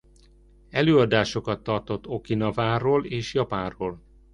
Előadásokat tartott Okinaváról és Japánról.